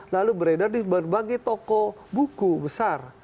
lalu beredar di berbagai toko buku besar